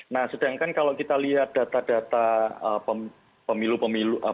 nah sedangkan kalau kita lihat data data pemilu pemilu